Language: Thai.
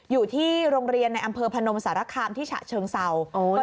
อยู่ที่โรงเรียนในอำเภอพนมสารคามที่ฉะเชิงเศร้า